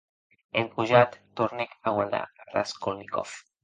Eth gojat tornèc a guardar a Raskolnikov.